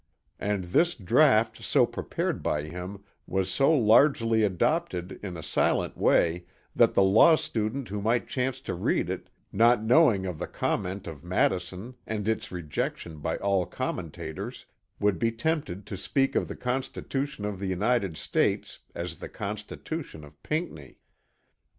And this draught so prepared by him was so largely adopted in a silent way that the law student who might chance to read it, not knowing of the comment of Madison and its rejection by all commentators, would be tempted to speak of the Constitution of the United States as the constitution of Pinckney.